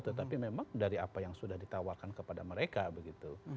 tetapi memang dari apa yang sudah ditawarkan kepada mereka begitu